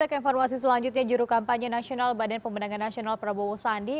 untuk informasi selanjutnya juru kampanye nasional badan pembenangan nasional prabowo sandi